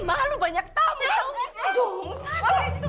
itu malu banyak tamu